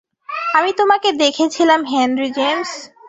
আমি তোকে দেখেছিলাম, হেনরি জেমস।